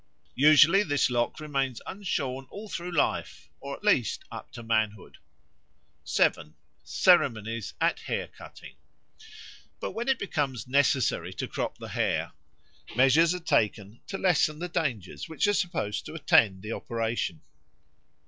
Usually this lock remains unshorn all through life, or at least up till manhood. 7. Ceremonies at Hair cutting BUT when it becomes necessary to crop the hair, measures are taken to lessen the dangers which are supposed to attend the operation.